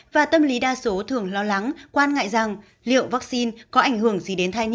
và tâm lý đa số thường lo lắng quan ngại rằng liệu vaccine có ảnh hưởng gì đến thai nhi